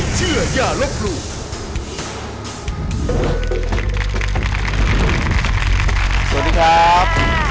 สวัสดีครับ